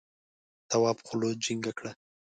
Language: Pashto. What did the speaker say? تواب خوله جینگه کړه.